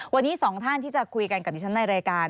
วันนี้สองท่านที่จะคุยกันกับดิฉันในรายการ